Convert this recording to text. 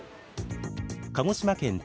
鹿児島県